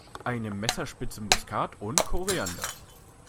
Eine Messerspitze Muskat und Koriander.